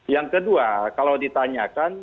yang kedua kalau ditanyakan